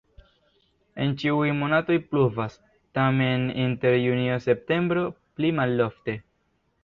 En ĉiuj monatoj pluvas, tamen inter junio-septembro pli malofte.